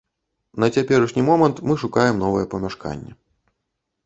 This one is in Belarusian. На цяперашні момант мы шукаем новае памяшканне.